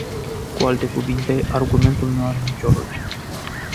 Cu alte cuvinte, argumentul nu are nicio logică.